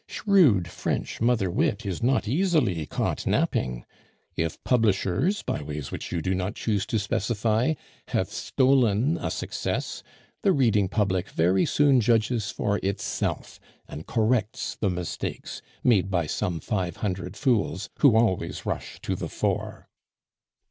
Shrewd French mother wit is not easily caught napping. If publishers, by ways which you do not choose to specify, have stolen a success, the reading public very soon judges for itself, and corrects the mistakes made by some five hundred fools, who always rush to the fore.